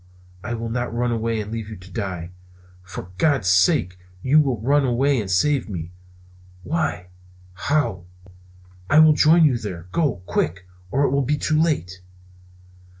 I will not run away and leave you to die." "For God's sake you will run away and save me." "Why? How?" "I will join you there, go! Quick, or it will be too late!"